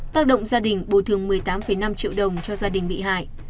tác động gia đình bồi thường một mươi tám năm triệu đồng cho gia đình bị hại